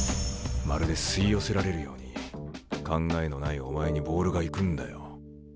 まるで吸い寄せられるように考えのないお前にボールが行くんだよ。